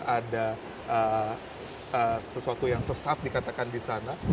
ada sesuatu yang sesat dikatakan di sana